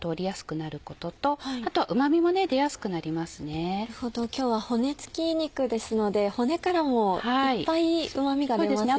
なるほど今日は骨つき肉ですので骨からもいっぱい旨味が出ますよね。